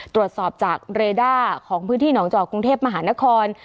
ตรวจสอบจากเรด้าของพื้นที่หนองจอกกรุงเทพมหานคร